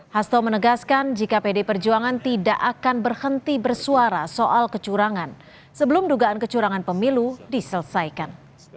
hasto menegaskan jika pd perjuangan tidak akan berhenti bersuara soal kecurangan sebelum dugaan kecurangan pemilu diselesaikan